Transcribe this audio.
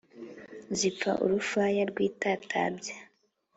Zipfa urufaya rw'itatabya,